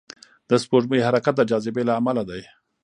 د سپوږمۍ حرکت د جاذبې له امله دی.